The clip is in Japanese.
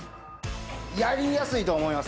やりやすいと思います